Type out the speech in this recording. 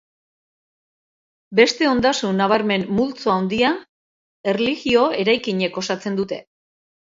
Beste ondasun nabarmen multzo handia erlijio-eraikinek osatzen dute.